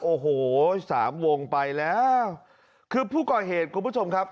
โอ้โหสามวงไปแล้วคือผู้ก่อเหตุคุณผู้ชมครับ